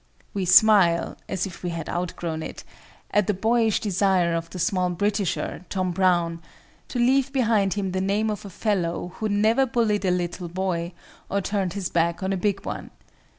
We smile (as if we had outgrown it!) at the boyish desire of the small Britisher, Tom Brown, "to leave behind him the name of a fellow who never bullied a little boy or turned his back on a big one."